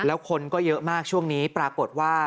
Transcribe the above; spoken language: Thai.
แล้วคนก็เยอะมากช่วงนี้ปรากฏว่า